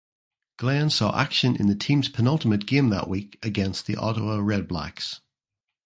Glenn saw action in the team’s penultimate game that week against the Ottawa Redblacks.